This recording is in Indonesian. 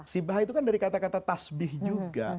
sibah itu kan dari kata kata tasbih juga